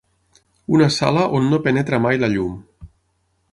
Una sala on no penetra mai la llum.